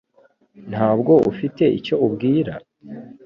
Ntabwo ufite icyo ubwira ?